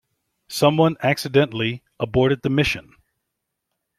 Someone accidentally aborted the mission.